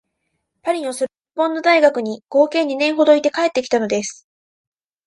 パリのソルボンヌ大学などに合計二年ほどいて帰ってきたのです